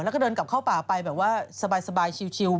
แล้วก็เดินกลับเข้าป่าไปแบบว่าสบายชิว